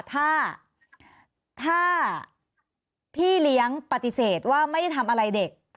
ถ้าถ้าพี่เลี้ยงปฏิเสธว่าไม่ได้ทำอะไรเด็ก